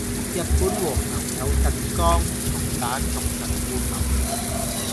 日本和牛有近江、松阪同神戶牛